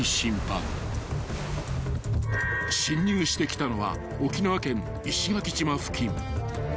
［侵入してきたのは沖縄県石垣島付近］